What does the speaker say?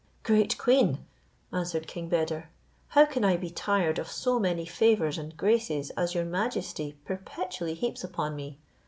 "Great queen!" answered king Beder, "how can I be tired of so many favours and graces as your majesty perpetually heaps upon me?